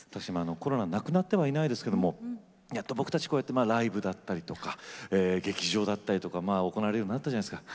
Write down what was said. コロナなくなってはいないですけどもやっと僕たちこうやってライブだったりとか劇場だったりとか行われるようになったじゃないですか。